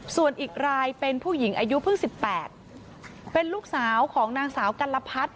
ส่วนอีกรายเป็นผู้หญิงอายุเพิ่ง๑๘เป็นลูกสาวของนางสาวกัลพัฒน์